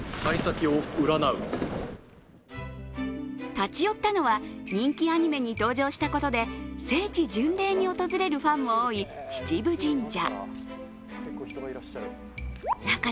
立ち寄ったのは人気アニメに登場したことで聖地巡礼に訪れるファンも多い秩父神社。